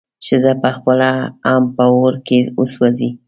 ښځه به پخپله هم په اور کې وسوځي.